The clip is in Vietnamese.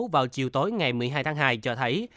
vào chiều tối ngày một mươi hai tháng hai cho thấy